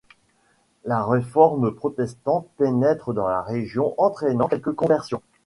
La réforme protestante pénètre dans la région, entraînant quelques conversions.